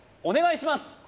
お願いします